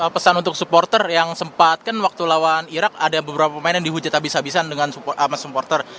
pesan untuk supporter yang sempat kan waktu lawan irak ada beberapa pemain yang dihujat abis habisan dengan supporter